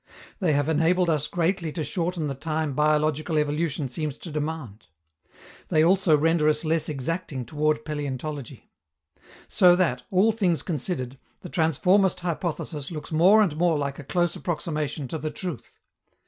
They have enabled us greatly to shorten the time biological evolution seems to demand. They also render us less exacting toward paleontology. So that, all things considered, the transformist hypothesis looks more and more like a close approximation to the truth.